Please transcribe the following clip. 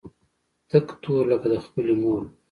تک تور لکه د خپلې مور و.